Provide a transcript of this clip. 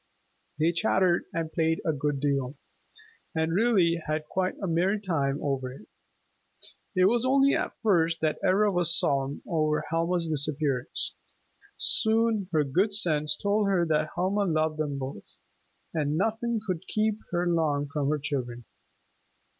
They chattered and played a good deal, and really had quite a merry time over it. It was only at first that Ivra was solemn over Helma's disappearance. Soon her good sense told her that Helma loved them both, and nothing could keep her long from her children.